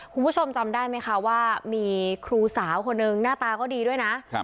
คุณผู้ชมจำได้ไหมคะว่ามีครูสาวคนหนึ่งหน้าตาก็ดีด้วยนะ